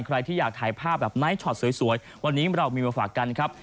ใครที่อยากถ่ายภาพแบบไนท์ช็อตสวยวันนี้เรามีมาฝากกันครับ